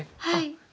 はい。